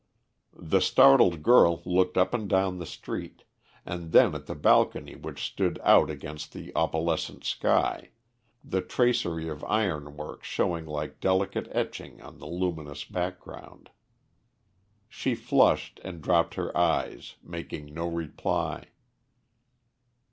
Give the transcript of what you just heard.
The startled girl looked up and down the street, and then at the balcony which stood out against the opalescent sky, the tracery of ironwork showing like delicate etching on the luminous background. She flushed and dropped her eyes, making no reply.